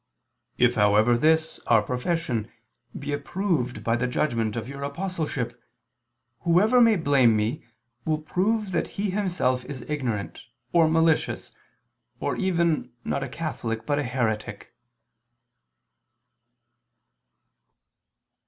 If however this, our profession, be approved by the judgment of your apostleship, whoever may blame me, will prove that he himself is ignorant, or malicious, or even not a catholic but a heretic."